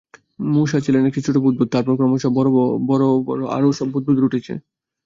মুশা ছিলেন একটি ছোট বুদ্বুদ, তারপর ক্রমশ বড় বড় আরও সব বুদ্বুদ উঠেছে।